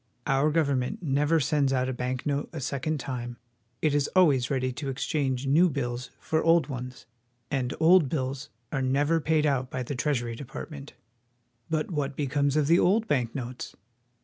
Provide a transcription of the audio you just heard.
Our government never sends out a bank note a second time. It is always ready to exchange new bills for old ones, and old bills are never paid out by the Treasury De partment. But what becomes of the old bank notes?